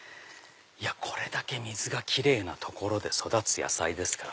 これだけ水が奇麗な所で育つ野菜ですから。